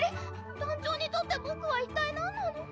団長にとって僕は一体なんなの？